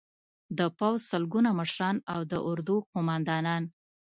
د پوځ سلګونه مشران او د اردو قومندانان